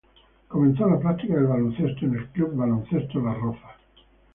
Comenzó la práctica del baloncesto en el Club Baloncesto Las Rozas.